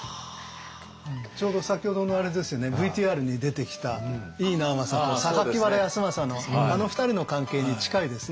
ちょうど先ほどのあれですよねＶＴＲに出てきた井伊直政と原康政のあの２人の関係に近いですね。